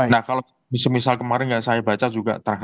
nah kalau misal misal kemarin saya baca juga